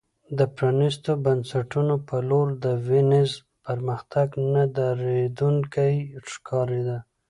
د پرانیستو بنسټونو په لور د وینز پرمختګ نه درېدونکی ښکارېده